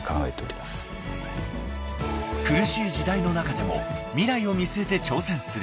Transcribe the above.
［苦しい時代の中でも未来を見据えて挑戦する］